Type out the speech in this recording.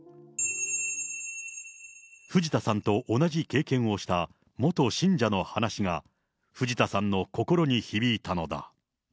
藤田さんと同じ経験をした元信者の話が、藤田さんの心に響いたのだ。